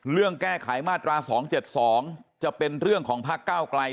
เรื่องแก้ไขมาตรา๒๗๒จะเป็นเรื่องของพักก้าวไกล